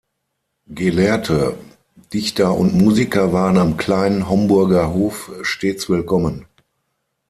Gelehrte, Dichter und Musiker waren am kleinen Homburger Hof stets willkommen.